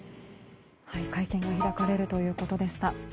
会見が開かれるということでした。